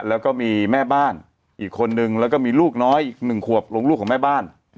แล้วก็มีแม่บ้านอีกคนนึงแล้วก็มีลูกน้อยอีก๑ขวบลงลูกของแม่บ้าน